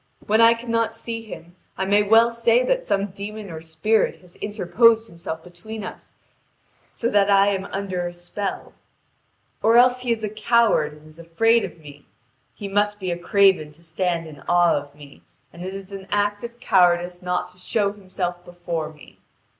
When I cannot see him, I may well say that some demon or spirit has interposed himself between us, so that I am under a spell. Or else he is a coward and is afraid of me: he must be a craven to stand in awe of me, and it is an act of cowardice not to show himself before me.